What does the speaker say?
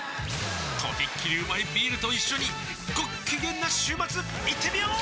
とびっきりうまいビールと一緒にごっきげんな週末いってみよー！